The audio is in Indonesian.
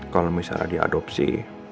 kalau misalkan dia adopsi